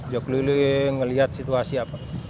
ya keliling melihat situasi apa